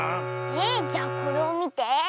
えっじゃこれをみて！